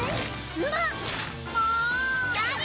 うまっ！